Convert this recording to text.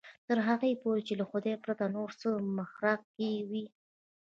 تر هغې پورې چې له خدای پرته نور څه په محراق کې وي.